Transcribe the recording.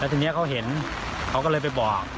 ทีนี้เขาเห็นเขาก็เลยไปบอก